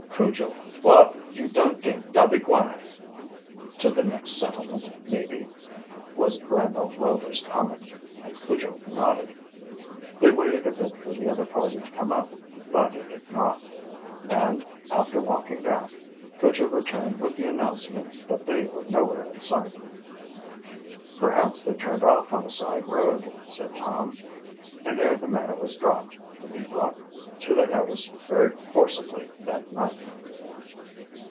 "Cujo whar you dun t'ink da be gwine?" "To the next settlement, maybe," was Randolph Rover's comment, and Cujo nodded. They waited a bit for the other party to come up, but it did not, and, after walking back, Cujo returned with the announcement that they were nowhere in sight. "Perhaps they turned off on a side road," said Tom, and there the matter was dropped, to be brought to their notice very forcibly that night.